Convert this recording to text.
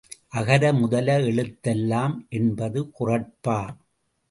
அகரமுதல எழுத் தெல்லாம் என்பது குறட்பா.